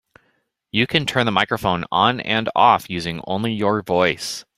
You can turn the microphone on and off using only your voice.